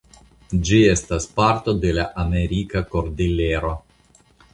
Ĝi estas parto de la Amerika Kordilero.